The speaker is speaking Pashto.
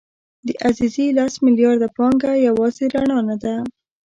د عزیزي لس میلیارده پانګه یوازې رڼا نه ده.